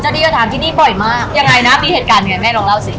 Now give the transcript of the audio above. ดีก็ถามที่นี่บ่อยมากยังไงนะมีเหตุการณ์ยังไงแม่ลองเล่าสิ